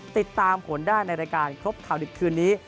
ติดตามผลได้ในรายการครบข่าวดึกคืนนี้